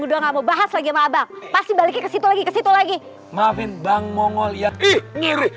udah nggak mau bahas lagi sama abang pasti baliknya ke situ lagi ke situ lagi maafin bang mongo lihat ngiri